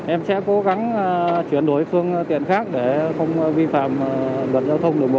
em sẽ cố gắng chuyển đổi phương tiện khác để không vi phạm luật giao thông đường bộ